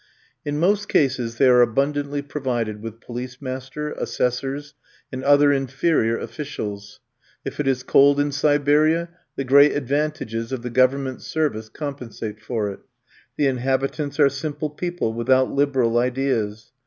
In most cases they are abundantly provided with police master, assessors, and other inferior officials. If it is cold in Siberia, the great advantages of the Government service compensate for it. The inhabitants are simple people, without liberal ideas.